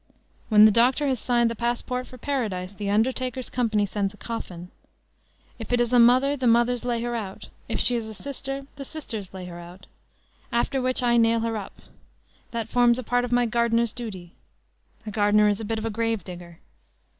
When the doctor has signed the passport for paradise, the undertaker's company sends a coffin. If it is a mother, the mothers lay her out; if she is a sister, the sisters lay her out. After which, I nail her up. That forms a part of my gardener's duty. A gardener is a bit of a grave digger.